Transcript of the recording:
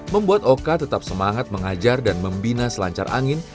membuat oka tetap semangat mengajar dan membina selancar angin